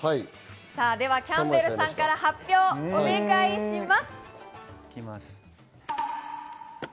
キャンベルさんから発表をお願いします。